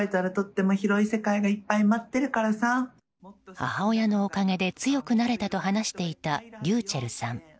母親のおかげで強くなれたと話していたｒｙｕｃｈｅｌｌさん。